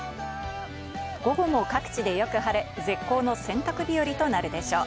午後も各地でよく晴れ、絶好の洗濯日和となるでしょう。